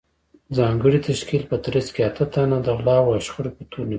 ځانګړې تشکیل په ترڅ کې اته تنه د غلاوو او شخړو په تور نیولي